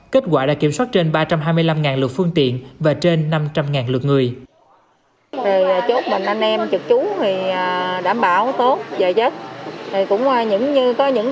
kết quả đã kiểm soát trên ba trăm hai mươi năm lượt phương tiện và trên năm trăm linh lượt người